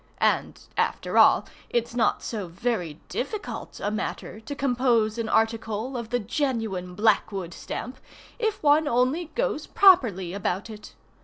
And, after all, it's not so very difficult a matter to compose an article of the genuine Blackwood stamp, if one only goes properly about it.